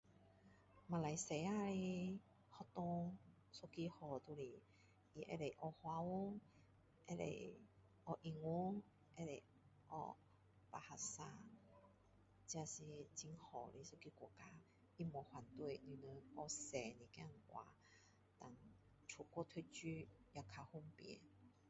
马来西亚一个好就是它可以华语可以学英文可以学 bahasa 这是很好的一个国家它没有反对你们学多一点话但出国读书也比较方便